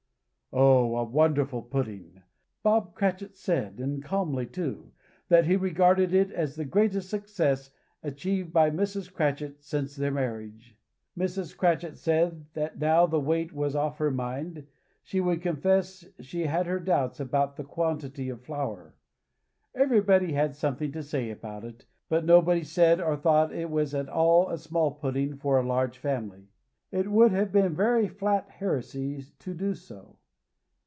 Oh, a wonderful pudding! Bob Cratchit said, and calmly too, that he regarded it as the greatest success achieved by Mrs. Cratchit since their marriage. Mrs. Cratchit said that now the weight was off her mind, she would confess she had her doubts about the quantity of flour. Everybody had something to say about it, but nobody said or thought it was at all a small pudding for a large family. It would have been flat heresy to do so.